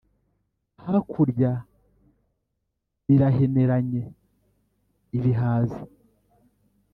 Hakurya biraheneranye-Ibihaza.